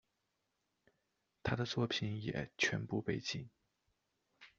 他的作品也全部被禁。